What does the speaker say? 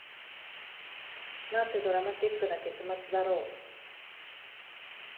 なんてドラマチックな結末だろう